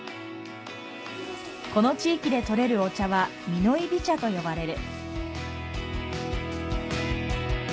この地域で取れるお茶は、美濃いび茶と呼ばれる。